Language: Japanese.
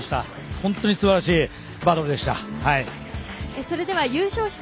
本当にすばらしいバトルでした。